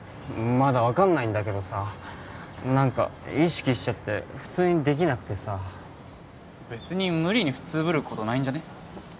まだ分かんないんだけどさ何か意識しちゃって普通にできなくてさ別に無理に普通ぶることないんじゃね？